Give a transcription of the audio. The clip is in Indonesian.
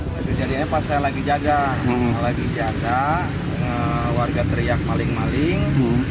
kejadiannya pas saya lagi jaga lagi jaga warga teriak maling maling